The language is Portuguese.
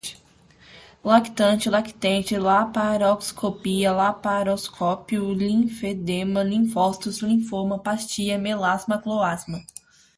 lactante, lactente, laparoscopia, laparoscópio, linfedema, linfócitos, linfoma, pastia, melasma, cloasma